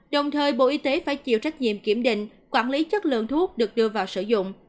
đồng thời bộ y tế phải chịu trách nhiệm kiểm định quản lý chất lượng thuốc được đưa vào sử dụng